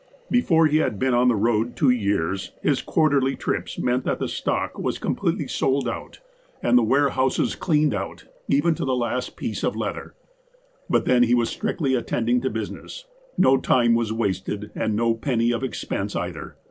Before he had boon on the road two years, his quarterly trips meant that the stock was completely sold out, and THE BOY THE FATHER OF THE MAN 23 the warehouses cleaned out, even to the last piece of leather. But then he was strictly attending to business. No time was wasted, and no penny of expense either.